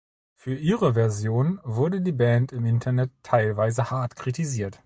Für ihre Version wurde die Band im Internet teilweise hart kritisiert.